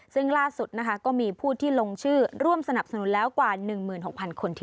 ซึ่งล่าสุดนะคะก็มีผู้ที่ลงชื่อร่วมสนับสนุนแล้วกว่า๑๖๐๐คนที่